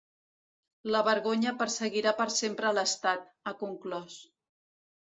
La vergonya perseguirà per sempre a l’estat, ha conclòs.